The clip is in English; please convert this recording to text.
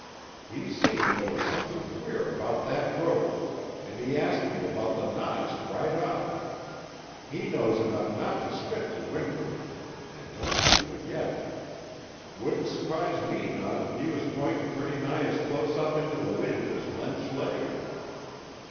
He seen there was somethin' queer about thet rope, an' he ast me about the knots, right off. He knows enough not to spit to wind'ard, an' don't you forgit it! Wouldn't surprise me none if he was p'intin' pretty nigh as clus up into the wind as Len Schlager."